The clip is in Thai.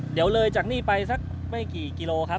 เดี๋ยวเลยจากนี่ไปสักไม่กี่กิโลครับ